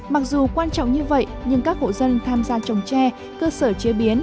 mặc dù quan trọng như vậy nhưng các hộ dân tham gia trồng tre cơ sở chế biến